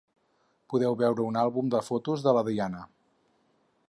Podeu veure un àlbum de fotos de la Diada.